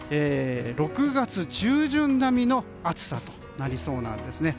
６月中旬並みの暑さとなりそうなんですね。